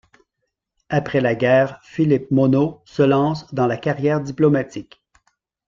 Après la guerre, Philippe Monod se lance dans la carrière diplomatique.